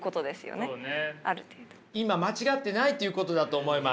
今間違ってないっていうことだと思います。